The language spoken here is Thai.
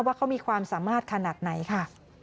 ว่าเขามีความสามารถขนาดไหนค่ะ